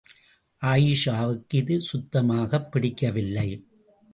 ஆயீஷாவுக்கு இது சுத்தமாகப் பிடிக்கவில்லை.